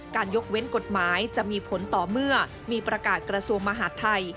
ยกเว้นกฎหมายจะมีผลต่อเมื่อมีประกาศกระทรวงมหาดไทย